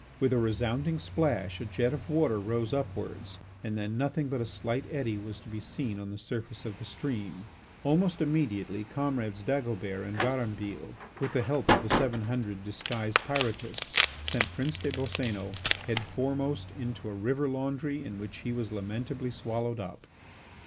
With a resounding splash a jet of water rose upwards, and then nothing but a slight eddy was to be seen on the surface of the stream. Almost immediately comrades Dagobert and Varambille, with the help of the seven hundred disguised Pyrotists, sent Prince des Boscénos head foremost into a river laundry in which he was lamentably swallowed up.